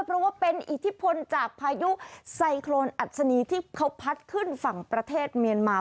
เพราะว่าเป็นอิทธิพลจากพายุไซโครนอัศนีที่เขาพัดขึ้นฝั่งประเทศเมียนมา